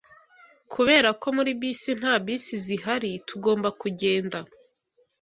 Kubera ko muri bisi nta bisi zihari, tugomba kugenda.